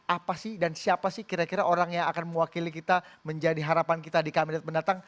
apa sih dan siapa sih kira kira orang yang akan mewakili kita menjadi harapan kita di kabinet mendatang